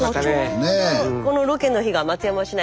ちょうどこのロケの日が松山市内